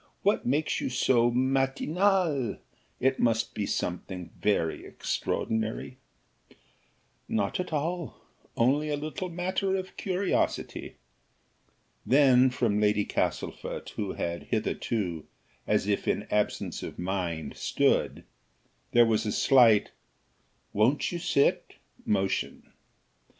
what makes you so matinale? It must be something very extraordinary." "Not at all, only a little matter of curiosity." Then, from Lady Castlefort, who had hitherto, as if in absence of mind, stood, there was a slight "Won't you sit?" motion.